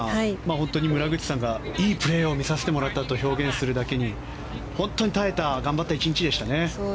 本当に村口さんがいいプレーを見させてもらったと表現するだけに本当に耐えた、頑張った１日でしたね。